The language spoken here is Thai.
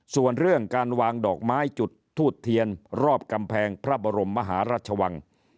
ส่วนเรื่องการวางดอกไม้จุดทูบเทียนรอบกำแพงพระบรมมหาราชวัง